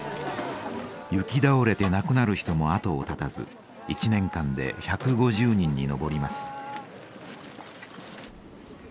行き倒れて亡くなる人も後を絶たず１年間で１５０人に上ります。